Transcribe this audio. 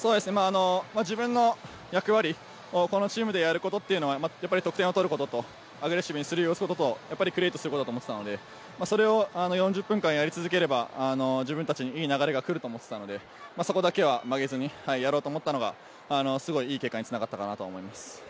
自分の役割、このチームでやることは得点を取ることとアグレッシブにすることをクリエートすることだと思っていたので、それを４０分間やり続ければ、自分たちにいい流れがくると思っていたので、そこだけは曲げずにやろうと思ったのがすごいいい結果につながったと思います。